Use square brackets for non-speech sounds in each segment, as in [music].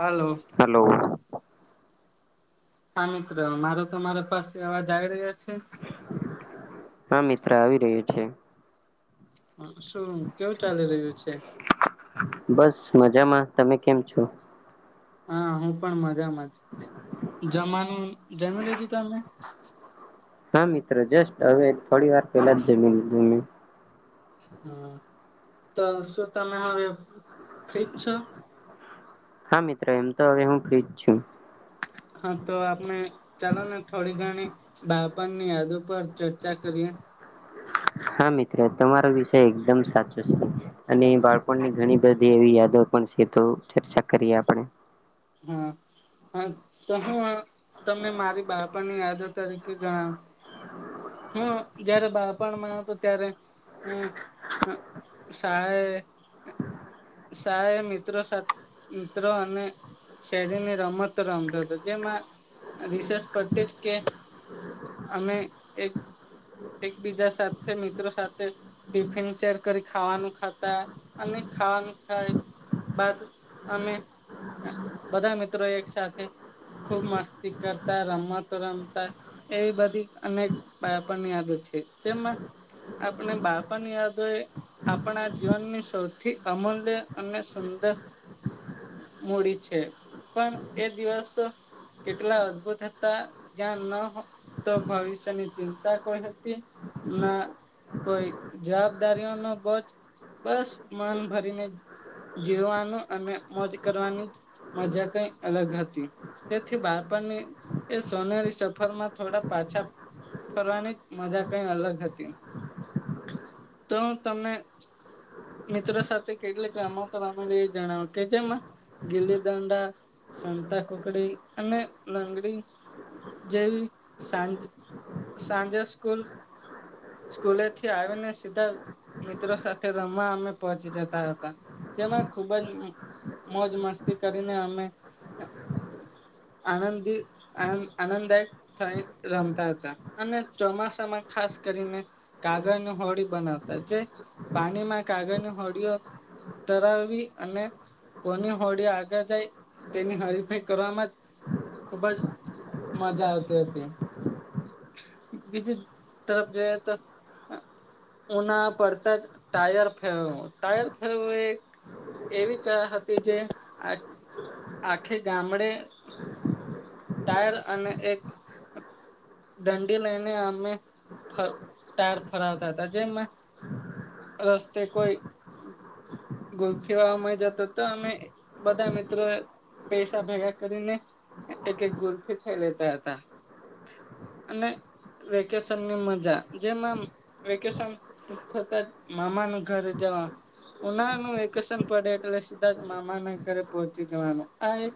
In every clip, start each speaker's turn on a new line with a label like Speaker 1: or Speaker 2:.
Speaker 1: હાલો
Speaker 2: hello.
Speaker 1: હા, મિત્ર મારો તમારા પાસે અવા જ આવી રહ્યો છે?
Speaker 2: હા, મિત્ર આવી રહ્યો છે.
Speaker 1: હ, શું કેવું ચાલી રહ્યું છે?
Speaker 2: બસ મજામાં, તમે કેમ છો?
Speaker 1: હા, હું પણ મજામાં જ, જમાનું જમી લીધું તમે?
Speaker 2: હા, મિત્રો જસ્ટ હવે થોડી વાર પેલા જ જમીલીધું મેં.
Speaker 1: હા, તો શું તમે હવે ફ્રીજ છો?
Speaker 2: હા, મિત્રો એમ તો હવે હું ફ્રીજ છું.
Speaker 1: [inaudible] હા, તો આપણે ચાલો ને થોડી ઘણી બાપણની યાદો પર ચર્ચા કરીએ.
Speaker 2: હા, મિત્રો તમારો વિષય એકદમ સાચો છે. અને બાળકોણની ઘણી બધી એવી યાદો પણ છે, તો ચર્ચા કરીએ આપણે.
Speaker 1: હા. હા, તો હું તમને મારી બાળપણની યાદો તરીકે જણાવ. હમ્મ જયારે બાળપણમાં હતું ત્યારે હમ્મ. હ સાાર. [unintelligible] સાહે મિત્રો સાથે મિત્રો અને શહેરીરની રમતો રમતો હતો. જેમાં રિસર્ચ પતી જ કે અમે એક એકબીજા સાથે મિત્રો સાથે ટિફિન શેર કરી ખાવાનું ખાતા અને ખાવાનું ખાય બાદ અમે બધા મિત્રો એક સાથે ખુબ મસ્તી કરતા રમતો રમતા એવી બધી અનેક બાળપણ યાદ જેમાં આપણે બાળપણની યાદો એ આપણા જીવનની સૌથી અમૂલ્ય અને સુંદર મૂડી છે. પણ એ દિવસ એટલા અદભુત હતા, જ્યાં ન તો ભવિષ્યની ચિંતા કોઈ હતી, ના કોઈ જવાબદારીઓ ન બોજ બસ મન ભરીને જીવવાનું અને મોજ કરવાની મજા કઈ અલગ હતી. તેથી બાળપણની એ સોનેરી સફરમાં થોડા પાછા ફરવાની મજા કઈ અલગ હતી. તો તને મિત્રો સાથે કેટલીક રમત રમેલી એ જણાવો કે જેમાં ગીલી દંડા, સતા કુકડી અને લંગડી જેવી સાંજ સાંજે સ્કૂલ સ્કૂલે થી આવીને સીધા મિત્રો સાથે રમવા અમે પહોચી જતા હતા જેમાં ખુબ જ મોજ મસ્તી કરીને અમે આનંદ આનંદદાયક થઈ રમતા હતા અને ચોમાસામાં ખાસ કરીને કાગળની હોળી બનાવતા જે પાણીમાં કાગળની હોળીઓ ધરાવવી અને કોની હોડી આગળ જાય તેની હરીફાઈ કરવામાં જ ખુબ જ મજા આવતી હતી. બીજી તરફ જોઈએ તો ઉના પડતા જ ટાયર ફેરવું ટાયર ફેરવું એ એક એવી ક હતી જે આ આખે ગામડે ટાયર અને એક દંડી લઈને અમે ટર ફરવતા હતા જેમાં રસ્તે કોઈ ગોલ્ફ વા મય જતો તો અમે બધા મિત્રો પૈસા ભેગા કરીને એક એક ગુરથી થઈ લેતા હતા. અને વેકેશનની મજા જેમાં વેકેશન થતા મામા ન ઘર જ કા ઉનાળનું વેકેશન પડે એટલે સીધા મામા ના ઘરે પહોંચી જવાનું આ એક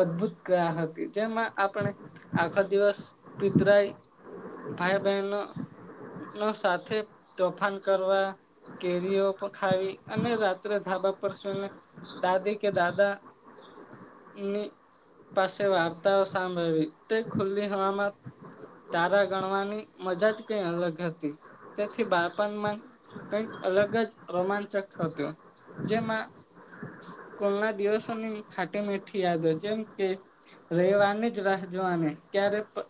Speaker 1: અદભુત ગ્રહ હતી જેમાં આપણે આખો દિવસ પિતરાય ભાઈ બહેનો નો સાથે તોફાન કરવા કેરીઓ ખાવી અને રાત્રે ધાબા પરસને દાદી કે દાદા ની પાસે વાર્તાઓ સાંભળવી તે ખુલ્લી હવામા તારા ગણવાની મજા જ કઈ અલગ હતી તેથી બાળપણમાં કંઈક અલગ જ રોમાંચક હતું જેમાં સ્કૂલના દિવસોની ખાટી મેઠી યાદ હો જેમ કે રવિવારની જ રાહ જોવાને ક્યારે પા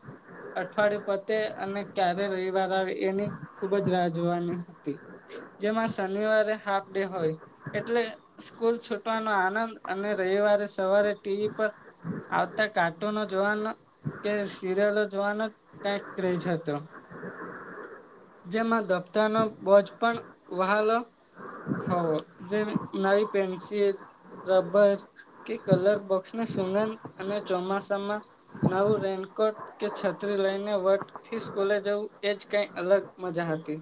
Speaker 1: અઠવાડિયું પતે અને ક્યારે રવિવાર આવે એની ખૂબ જ રાહ જોવાની હતી. જેમાં શનિવારે હા હોય એટલે સ્કૂલ છૂટવાનો આનંદ અને રવિવારે સવારે ટીવી પર આવત કાર્ટૂનો જોવાનો કે સિરિયલો જોવાનો કઈક ક્રેજ હતો. જેમાં દફતરનો બોજ પણ વહાલો હો જે નવી પેન્સિલ રબર કે કલર બોક્સને સુુંગંધ અને ચોમાસામાં નવું રેનકોટ કે છત્રી લઈને વટ થી સ્કૂલે જવું એજ કઈ અલગ મજા હતી.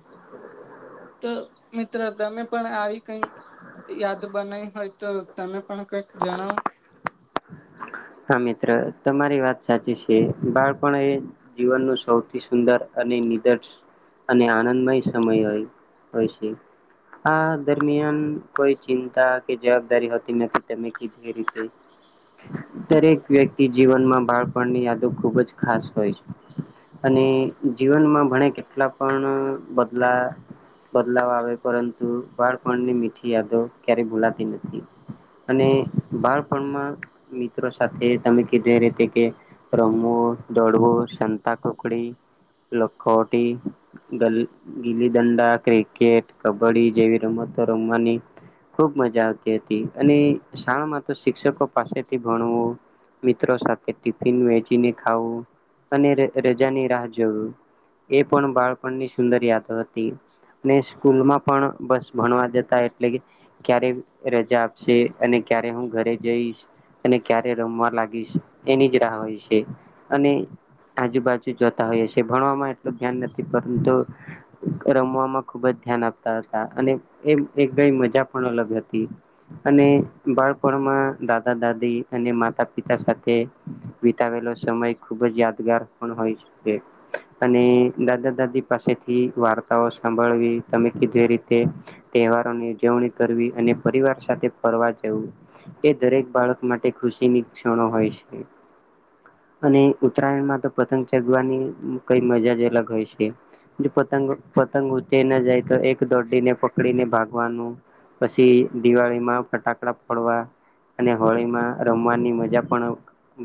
Speaker 1: તો મિત્રો તમે પણ આવી કઈક યાદ બનાવી હોય તો તમે પણ કઈક જણાવો.
Speaker 2: હા મિત્ર તમારી વાત સાચી છે બાળપણ એ જીવનનું સૌથી સુંદર અને [unintelligible] અને આનંદમય સમય હોય હોય છે. આ દરમિયાન કોઈ ચિંતા કે જવાબદારી હોતી નથી તમે કીધૂ એ રીતે. દરેક વ્યક્તિ જીવનમાં બાળપણની યાદો ખૂબ જ ખાસ હોય છે. અને જીવનમાં ભણે કેટલા પણ બદલા બદલાવ આવે પરંતુ બાળપણની મીઠી યાદો ક્યારેય ભૂલાતી નથી. અને બાળપણમાં મિત્રો સાથે તમે કીધ એ રીતે કે રમવો દોડવો સંતા કુકડી લખોટી, ગલ ગીલી દંડા, ક્રિકેટ કબડ્ડી જેવી રમત રમવાની ખુબ મજા આવતી હતી અને શાળામાં તો શિક્ષકો પાસે ભણ મિત્રો સાથે ટફિન વચીને ખાવું. અને ર રજાની રાહ જોયું એ પણ બાળપણની સુંદર યાદ હતી. અને સ્કૂલમાં પણ બસ ભણવા જતા એટલે કે ક્યારે રજા આપશે અને ક્યારે હું ઘરે જઈશ. અને ક્યારે રમવા લાગીશ એની જ રાહ હોય છે અને આજુબાજુ જોતા હોઈ છેએ ભણવામાં એટલું ધ્યાન નથી પરંતુ રમવામાં ખુબ જ ધ્યાન આપતા હતા અને એ એક ગઈ મજા પણ અલગ હતી. અને બાળપણમાં દાદા દા દી અને માતા પિતા સાથે વિતાવેલો સમય ખુબ જ યાદગાર પણ હોય શકે. અને દાદા દાદી પાસેથી વાર્તાઓ સાંભળવી તમે કીધ રીતે તહેવારોની ઉજવણી કરવી અને પરિવાર સાથે ફરવા જવું એ દરેક બાળક માટે ખુશી ની ક્ષણો હોય છે. અને ઉત્તરાયણમાં તો પતંગ ચગવાની કઈ મજા જ અલગ હોય છે. ને જો પતંગ પતંગ ઉંચાઈ ના જાય તો એક દોડીને પકડીને ભાગવાનું. પછી દિવાળીમાં ફટાકડા ફડવા અને હોળીમાં રમવાની મજા પણ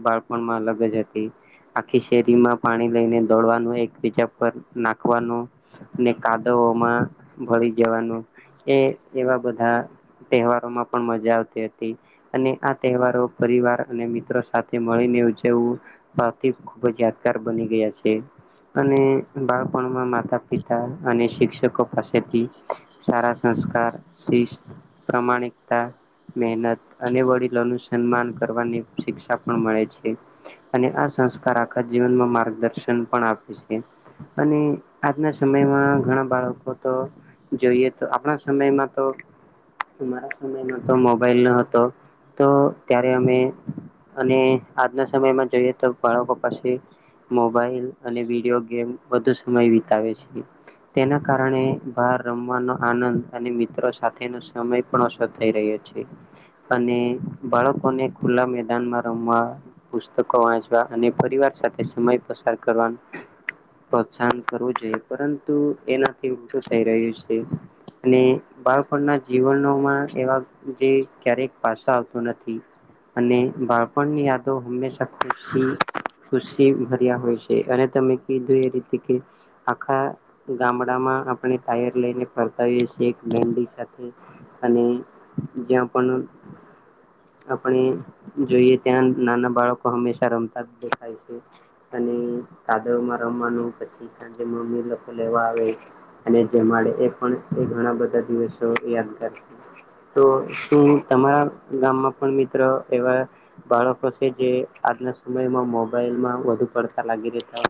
Speaker 2: બાળપણમાં અલગ જ હતી. આખી શેરીમાં પાણી લઈને દોડવાનું એક બીજા પર નાખવાનું ને કાદવ ઓ માં ભળી જવાનું. એ એવા બધા તહેવારોમાં પણ મજા આવતી હતી. અને આ તહેવારો પરિવાર અને મિત્રો સાથે મળીને ઉજવું આથી ખુબજ યાદગાર બની ગયા છે. અને બાળપણમાં માતા પિતા અને શિક્ષકો પાસેથી સારા સંસ્કાર, શિસ્ત, પ્રમાણિકતા, મહેનત અને વડીલોનું સન્માન કરવાની શિક્ષા પણ મળે છે અને આ સંસ્કાર આખા જી વનમા માર્ગદર્શન પણ આપે છે. અને આજના સમયમાં ઘણા બાળકો તો જોઈએ તો આપણા સમયમાં તો અમારા સમયમાં તો મોબાઈલ ન હતો તો ત્યારે અમે અને આજના સમયમાં જોઈએ તો બાળકો પાસે મોબાઈલ અને વિડીયો ગેમ વધુ સમય વિતાવે છે તેના કારણે બાર રમવાનો આનંદ અને મિત્રો સાથેનો સમય પણ ઓછર થઈ રહ્યો છે. અને બાળકોને ખુલ્લા મેદાન માં રમવા પુસ્તકો વાંચવા અને પરિવાર સાથે સમય પસાર કરવાનું પ્રોત્સાહન કરવું જોઈએ પરંતુ એનાથી હું શું થઈ રહ્યું છે. અને બાળકોણના જીવનોમાં એવા જે ક્યારેક પાછ આવતું નથી અને બાળપણની યાદો હંમેશા ખુશી ખુશી ભર્યા હોય છે અને તમે કીધું એ રીતે કે આખા ગામડામાં આપણે ટાયર લઈને ફરતાએ છે એક બેન્ સાથે અને જ્યા પણ આપણે જોઈએ ત્યાં નાના બાળકો હંમેશા રમતા જ દેખાય છે અને કાદવમાં રમવાનું પછી સાંજે મમ્મી લોકો લેવા આવે અને જેમાડે એ પણ એ ઘણા બધા દિવસો યાદગાર તો તો તમારા ગામમાં પણ મિત્ર એવા બાળકો છે જે આજના સમયમાં મોબાઈલમાં વધુ પડતા લાગી રહતા.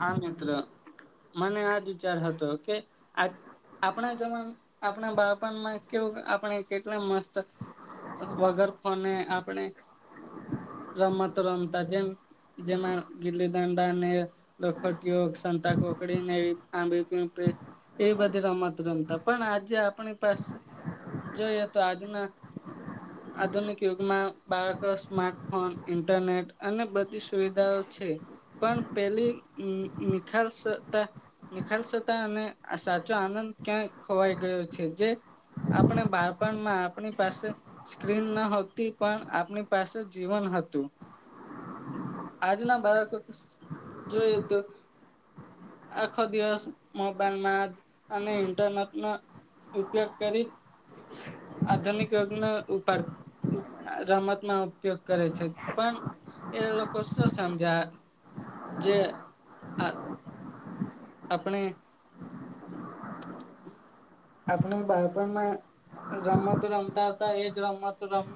Speaker 1: હા મિત્રો મને આજ વિચાર હતો કે આ આપણા જમા આપણા બાળપણમા કેવું આપણે કેટલા મસ્ત વગર તફોને આપણે રમતો રમતા જેમ જેના ગીલી દાંડાને લખટીયો સંતા ખકડીને આં પી એ બધા રમત રમતા પણ આજે આપણી પાસે જોઈએ તો આજના આધુનિક યુગમાં બાળકો સ્માર્ટફોન ઇન્ટરનેટ અને બધી સુવિધાઓ છે. પણ પેલી નિખાલ સતા નિખાલ સતા અને આ સાચો આનંદ ક્યાં ખોવાઈ ગયો છેજે. આપણે બાળપણમાં આપણી પાસે સ્ક્રીન ન હોતી, પણ આપણી પાસે જીવન હતું આજના બાલકો જોઈએ તો આખો દિવસ મોબાઈલમાં અને ઇન્ટરનેટ ન ઉપયોગ કરી આધુનિક યોગનો ઉપાડ અ રમતમાં ઉપયોગ કરે છે પણ એ લોકો શું સમજા જે આ આપણે આપણે બાળપણમાં રમત રમતા હતા એજ રમત રમ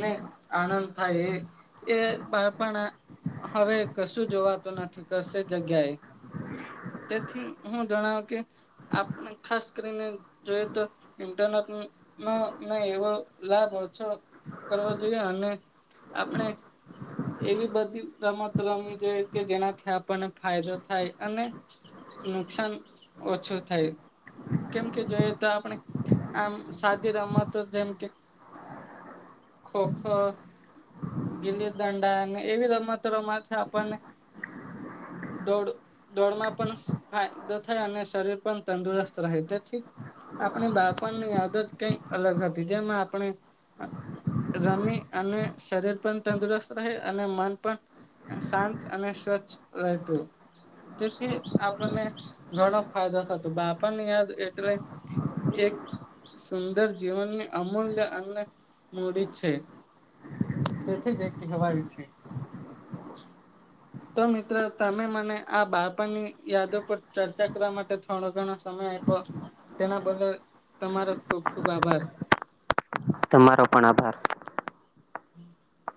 Speaker 1: નઈ આનંદ થાય એ એ બાળપણ હવે કશું જોવાતું નથી કશે જગ્યાએ તેથી હું જણાવું કે આપની ખાસ [unintelligible] જોઈ તો ઇન્ટરનેટ ને એવો લાભો ઓછો કરવા જોઈએ અને આપણે એવી બધી રમત રમી જોઈ કે જેનાથી આપણને ફાયદો થાય અને નુકસાન ઓછું થાય કેમ કે જોઈએ તો આપણે આમ સાદી રમતો જેમ કે ખોખ ગીલી દંડા અને એવી રમતો રમવા થી આપણને દોડ દોડમાં પણ ફાયદો થાય અને શરીર પણ તંદુરસ્ત રહે તે આપણે બાળપણની આદત કઈક અલગ હતી જેમ આપણે રમી અને શરીર પણ તંદુરસ્ત રહે અને મન પણ શાંત અને સ્વચ્છ રહેતું તેથી આપણને ઘણો ફાયદો થતો બાળપણ યાદ એક સુંદર જીવનની અમૂલ્ય અને મૂડી છે તેથી જ એક હવા છે [inaudible] તો મિત્રો તમે મને આ બાપણની યાદો પર ચર્ચા કરવા માટે થોડો ઘણો સમય તેના બદલ તમારો ખુબ ખુબ આભાર
Speaker 2: તમારો પણ આભાર
Speaker 1: [unintelligible]